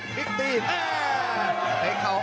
มิกตีนแอ่